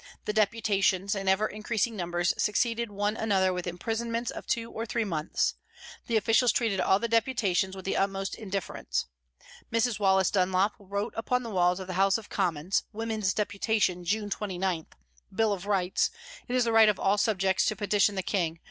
The deputations, in ever increasing numbers, succeeded one another with imprisonments of two or three months. The officials treated all the deputations 200 PRISONS AND PRISONERS with the utmost indifference. Miss Wallace Dunlop wrote up on the walls of the House of Commons :" Women's Deputation, June 29. Bill of Rights. It is the right of all subjects to petition the King.